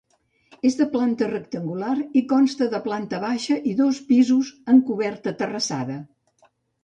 És de planta rectangular i consta de planta baixa i dos pisos amb coberta terrassada.